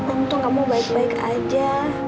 untung kamu baik baik aja